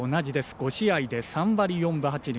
５試合で３割４分８厘。